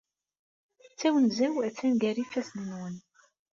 Tawenza-w attan gar ifassen-nwen.